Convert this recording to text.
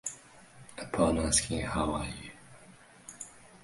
Upon asking How are you?